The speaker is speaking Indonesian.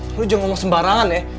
aduh jangan ngomong sembarangan ya